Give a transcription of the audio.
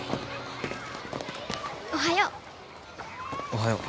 おはよう。